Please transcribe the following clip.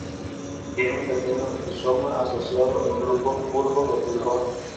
Tiene un pequeño rizoma asociado con grupos bulbos de piel roja.